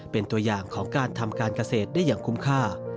เป็นตัวอย่างของการทำการเกษตรได้อย่างคุ้มค่า